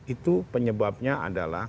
itu penyebabnya adalah